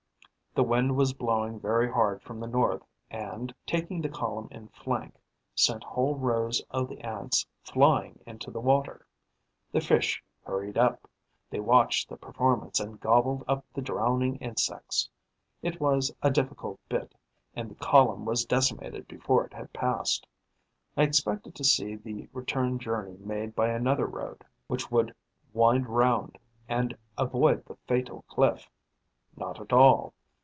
The wind was blowing very hard from the north and, taking the column in flank, sent whole rows of the Ants flying into the water. The fish hurried up; they watched the performance and gobbled up the drowning insects. It was a difficult bit; and the column was decimated before it had passed. I expected to see the return journey made by another road, which would wind round and avoid the fatal cliff. Not at all.